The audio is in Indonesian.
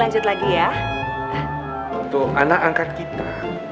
tuh anak angkat kita